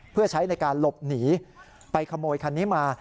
เพื่อใช้ในการหลบหนีไปขโมยคันนี้มา